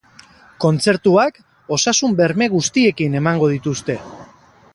Kontzertuak osasun berme guztiekin emango dituzte.